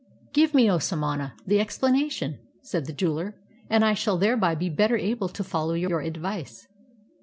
'" "Give me, O samana, the explanation," said the jeweler, "and I shall thereby be better able to follow your ad\'ice."